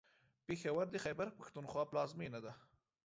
پېښور د خیبر پښتونخوا پلازمېنه ده.